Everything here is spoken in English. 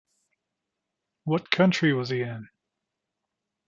What country was he in?